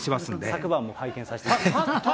昨晩も拝見させていただきました。